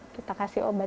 kita kasih obat